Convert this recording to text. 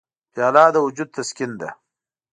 پیاله د وجود تسکین ده.